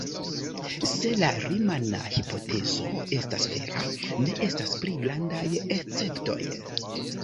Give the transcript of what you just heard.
Se la rimana hipotezo estas vera, ne estas pli grandaj esceptoj.